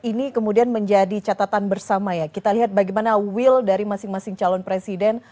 ini kemudian menjadi catatan bersama ya kita lihat bagaimana will dari masing masing calon presiden